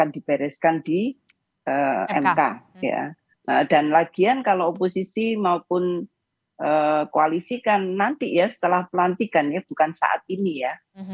dan lagian kalau posisi maupun koalisi kan nanti ya setelah pelantikan ya bukan saat ini ya